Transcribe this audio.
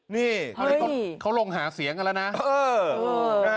นี่ตอนเขาลงหาเสียงกันแล้วนะ